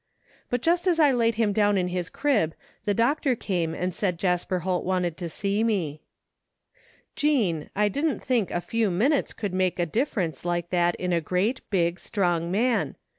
' but just as I laid him down in his crib the doctor came and said Jasper Holt wanted to see me. " Jean, I didn't think a few minutes cotdd make a difference like that in a great, big, strong man.